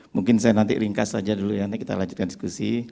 mungkin saya nanti ringkas saja dulu ya nanti kita lanjutkan diskusi